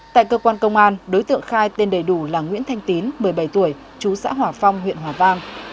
tại cơ quan công an đối tượng khai tên đầy đủ là nguyễn thanh tín một mươi bảy tuổi chú xã hòa phong huyện hòa vang